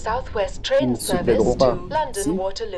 Ils ne se plaidront pas ? Si.